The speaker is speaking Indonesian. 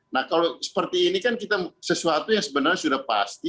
nah kalau seperti ini kan kita sesuatu yang sebenarnya sudah pasti